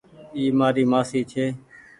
اي مآري مآسي ڇي۔